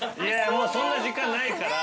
もうそんな時間ないから。